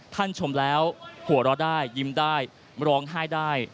ชมแล้วหัวเราะได้ยิ้มได้ร้องไห้ได้